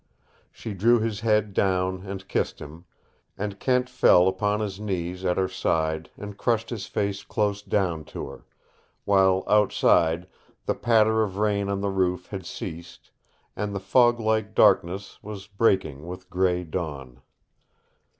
She drew his head down and kissed him, and Kent fell upon his knees at her side and crushed his face close down to her while outside the patter of rain on the roof had ceased, and the fog like darkness was breaking with gray dawn.